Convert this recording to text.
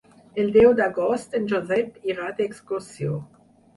El deu d'agost en Josep irà d'excursió.